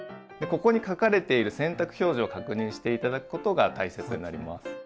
ここに書かれている洗濯表示を確認して頂くことが大切になります。